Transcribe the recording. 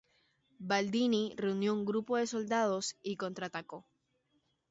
Baldini reunió un grupo de soldados y contraatacó.